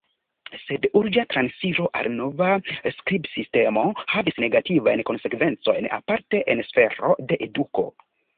Sed urĝa transiro al nova skribsistemo havis negativajn konsekvencojn, aparte en sfero de eduko.